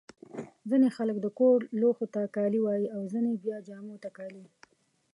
ځيني خلک د کور لوښو ته کالي وايي. او ځيني بیا جامو ته کالي.